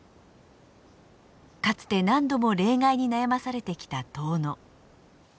かつて何度も冷害に悩まされてきた遠野。